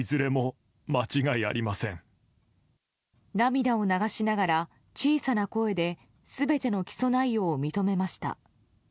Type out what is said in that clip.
涙を流しながら小さな声で全ての起訴内容を認めました。